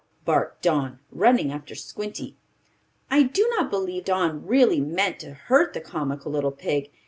barked Don, running after Squinty. I do not believe Don really meant to hurt the comical little pig.